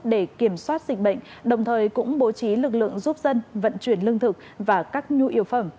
để kiểm soát dịch bệnh đồng thời cũng bố trí lực lượng giúp dân vận chuyển lương thực và các nhu yếu phẩm